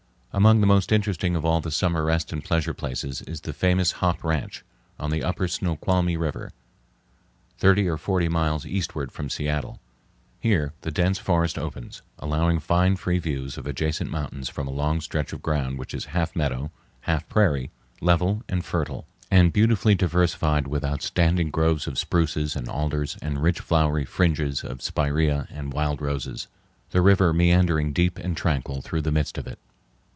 Among the most interesting of all the summer rest and pleasure places is the famous "Hop Ranch" on the upper Snoqualmie River, thirty or forty miles eastward from Seattle. Here the dense forest opens, allowing fine free views of the adjacent mountains from a long stretch of ground which is half meadow, half prairie, level and fertile, and beautifully diversified with outstanding groves of spruces and alders and rich flowery fringes of spiraea and wild roses, the river meandering deep and tranquil through the midst of it.